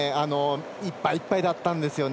いっぱいいっぱいだと思うんですよね